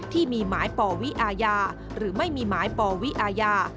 ที่มีหมายปวิอาญาหรือไม่มีหมายปวิอาญา